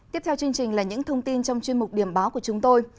tiếp theo là những thông tin trong chuyên mục điểm báo của chúng tôi